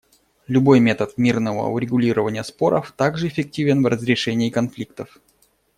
Любой метод мирного урегулирования споров также эффективен в разрешении конфликтов.